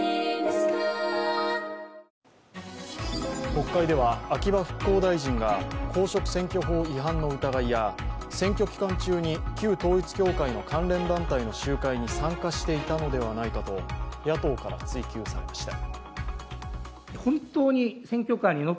国会では秋葉復興大臣が公職選挙法違反の疑いや選挙期間中に旧統一教会の関連団体の集会に参加していたのではないかと野党から追及されました。